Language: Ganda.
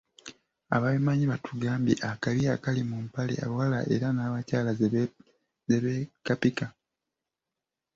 Ababimanyi batugambye akabi akali mu mpale abawala era n'abakyala zebeekapika.